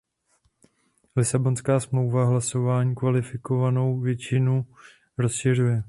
Lisabonská smlouva hlasování kvalifikovanou většinou rozšiřuje.